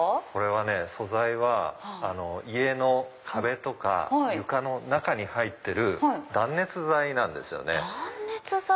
これは素材は家の壁とか床の中に入ってる断熱材なんですよね。